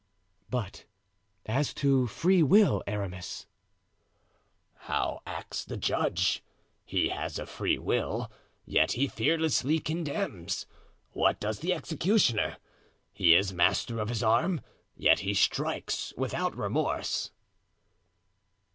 "But as to free will, Aramis?" "How acts the judge? He has a free will, yet he fearlessly condemns. What does the executioner? He is master of his arm, yet he strikes without remorse."